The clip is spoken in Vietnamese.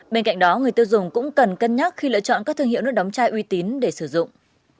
bên cạnh đó người tiêu dùng cũng cần cân nhắc khi lựa chọn các thương hiệu nước đóng chai uy tín để sử dụng